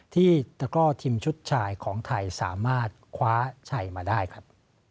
ตะกร่อทีมชุดชายของไทยสามารถคว้าชัยมาได้ครับ